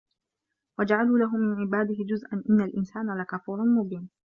وَجَعَلوا لَهُ مِن عِبادِهِ جُزءًا إِنَّ الإِنسانَ لَكَفورٌ مُبينٌ